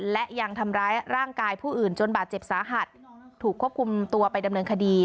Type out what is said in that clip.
และยังทำร้ายร่างกายผู้อื่นจนบาดเจ็บสาหัสถูกควบคุมตัวไปดำเนินคดี